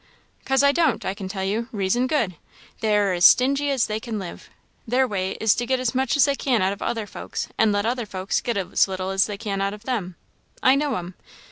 " 'Cause I don't, I can tell you; reason good. They are as stingy as they can live. Their way is to get as much as they can out of other folks, and let other folks get as little as they can out of them. I know 'em.